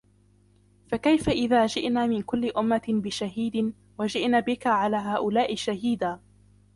فكيف إذا جئنا من كل أمة بشهيد وجئنا بك على هؤلاء شهيدا